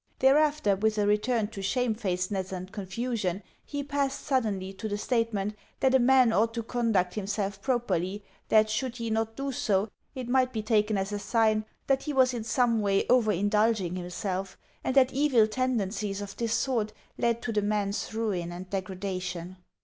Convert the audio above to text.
Thereafter, with a return to shamefacedness and confusion, he passed suddenly to the statement that a man ought to conduct himself properly; that, should he not do so, it might be taken as a sign that he was in some way overindulging himself; and that evil tendencies of this sort led to the man's ruin and degradation.